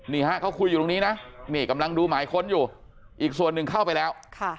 นี่ฮะเขาคุยอยู่ตรงนี้นะนี่กำลังดูหมายค้นอยู่อีกส่วนหนึ่งเข้าไปแล้ว